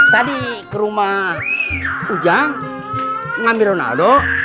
tadi ke rumah ujang mengambil ronaldo